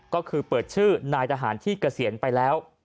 ก็คือเปิดชื่อนายทหารที่เกษียณไปแล้ว